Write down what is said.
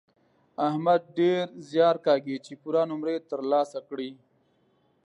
احمد ډېر زیار کاږي چې پوره نومرې تر لاسه کړي.